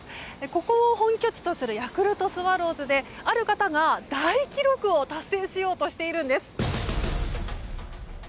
ここを本拠地とするヤクルトスワローズである方が、大記録を達成しようとしているんです。